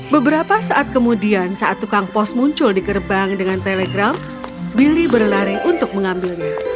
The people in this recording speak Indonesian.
beberapa saat kemudian saat tukang pos muncul di gerbang dengan telegram billy berlari untuk mengambilnya